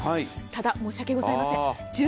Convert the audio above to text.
ただ、申し訳ございません